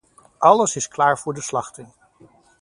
Alles is klaar voor de slachting.